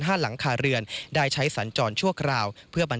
ห้านหลังคาเรือน